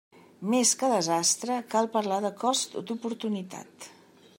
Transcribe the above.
Més que desastre, cal parlar de cost d'oportunitat.